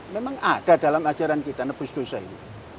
memang ada dalam ajaran kita nebus dosa itu